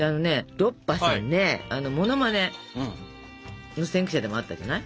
ロッパさんねモノマネの先駆者でもあったじゃない？